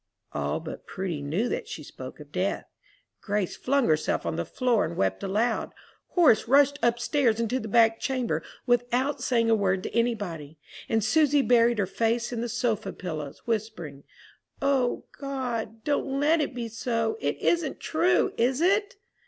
All but Prudy knew that she spoke of death. Grace flung herself on the floor and wept aloud. Horace rushed up stairs into the back chamber, without saying a word to any body; and Susy buried her face in the sofa pillows, whispering, "O God, don't let it be so; it isn't true, is it?"